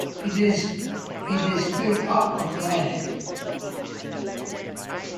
It is built up of granite.